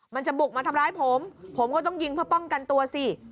มันจะบุกมาทำร้ายผมผมก็ต้องยิงเพื่อป้องกันตัวสิ